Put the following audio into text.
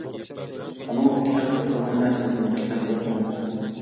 بالىڭىز كىتاب ئوقۇغاندا، سىزمۇ كىتاب ئوقۇڭ.